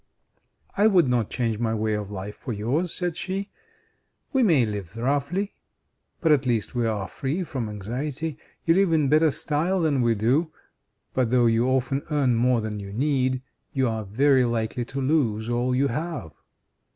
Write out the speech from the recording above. "I would not change my way of life for yours," said she. "We may live roughly, but at least we are free from anxiety. You live in better style than we do, but though you often earn more than you need, you are very likely to lose all you have.